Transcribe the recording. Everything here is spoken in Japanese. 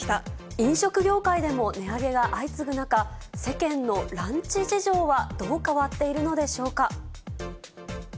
飲食業界でも値上げが相次ぐ中、世間のランチ事情はどう変わっているのでしょうか。